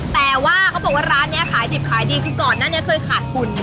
แต่ว่าเขาบอกว่าร้านนี้ขายดิบขายดีคือก่อนหน้านี้เคยขาดทุน